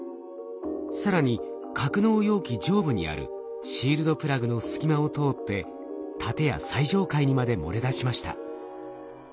更に格納容器上部にあるシールドプラグの隙間を通って建屋最上階にまで漏れ出しました。